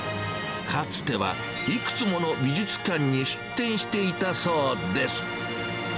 かつてはいくつもの美術館に出展していたそうです。